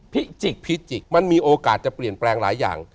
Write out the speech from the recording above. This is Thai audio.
พิจิกพิจิกมันมีโอกาสจะเปลี่ยนแปลงหลายอย่าง